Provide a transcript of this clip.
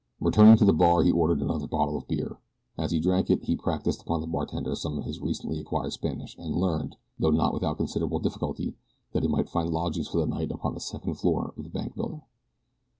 Returning to the bar he ordered another bottle of beer, and as he drank it he practiced upon the bartender some of his recently acquired Spanish and learned, though not without considerable difficulty, that he might find lodgings for the night upon the second floor of the bank building.